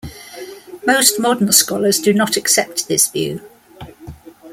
Most modern scholars do not accept this view.